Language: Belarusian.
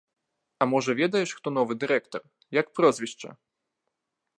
А можа, ведаеш, хто новы дырэктар, як прозвішча?